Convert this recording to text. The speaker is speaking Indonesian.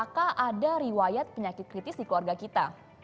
apakah ada asuransi yang bisa kita gunakan untuk menangani kelebihan keluarga kita